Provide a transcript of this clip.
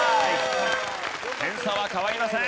点差は変わりません。